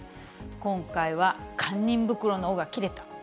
今回は堪忍袋の緒が切れた。